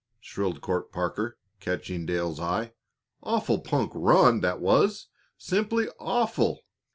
shrilled Court Parker, catching Dale's eye. "Awful punk run that was simply awful!"